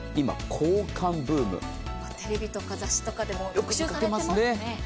テレビとか雑誌でもよく特集されてますね。